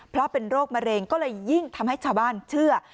เพราะเป็นโรคมะเร็งก็เลยยิ่งทำให้ชาวบ้านเชื่อ